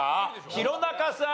弘中さん。